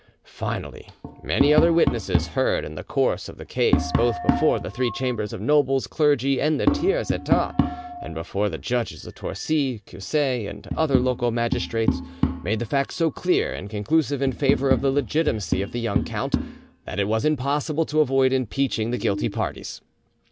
Finally, many other witnesses heard in the course of the case, both before the three chambers of nobles, clergy, and the tiers etat, and before the judges of Torcy, Cusset, and other local magistrates, made the facts so clear and conclusive in favour of the legitimacy of the young count, that it was impossible to avoid impeaching the guilty parties.